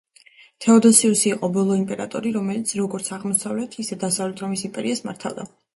თეოდოსიუსი იყო ბოლო იმპერატორი, რომელიც როგორც, აღმოსავლეთ, ისევე დასავლეთ რომის იმპერიას მართავდა.